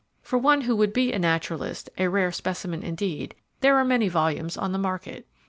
For one who would be a Naturalist, a rare specimen indeed, there are many volumes on the market.